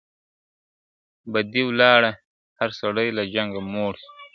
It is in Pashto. بدي ولاړه هر سړى له جنگه موړ سو ,